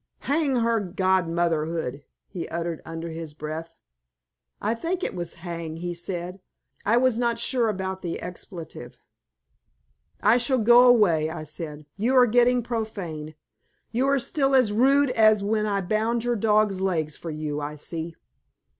"Hang her godmotherhood!" he uttered under his breath. I think it was "hang" he said I was not sure about the expletive. "I shall go away," I said. "You are getting profane. You are still as rude as when I bound your dog's leg for you, I see."